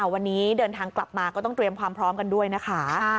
วันนี้เดินทางกลับมาก็ต้องเตรียมความพร้อมกันด้วยนะคะ